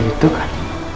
ya itu kan